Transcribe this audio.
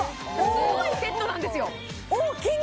すごいセットなんですよおおきに！